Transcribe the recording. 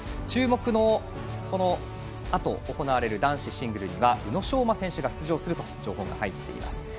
注目の、このあと行われる男子シングルに宇野昌磨選手が出場するという情報が入っています。